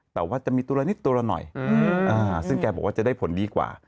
แต่ว่าจะมีตัวละนิดตัวละหน่อยซึ่งแกบอกว่าจะได้ผลดีกว่า